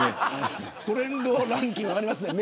トレンドランキング上がりますね。